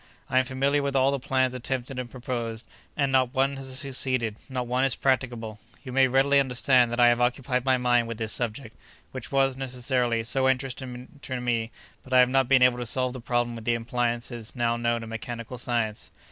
I am familiar with all the plans attempted and proposed, and not one has succeeded, not one is practicable. You may readily understand that I have occupied my mind with this subject, which was, necessarily, so interesting to me, but I have not been able to solve the problem with the appliances now known to mechanical science.